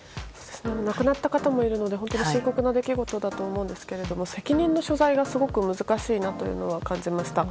亡くなった方もいるので深刻な出来事だと思いますが責任の所在がすごく難しいなと感じました。